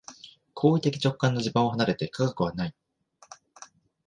行為的直観の地盤を離れて科学はない。